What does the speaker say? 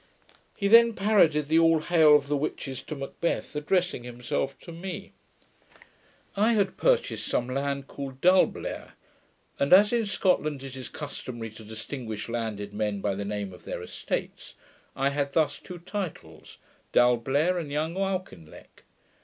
He then parodied the 'All hail' of the witches to Macbeth, addressing himself to me. I had purchased some land called Dalblair; and, as in Scotland it is customary to distinguish landed men by the name of their estates, I had thus two titles, Dalblair and Young Auchinleck.